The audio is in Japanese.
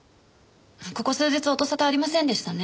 ここ数日音沙汰ありませんでしたね。